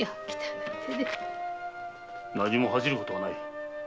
何も恥じる事はない。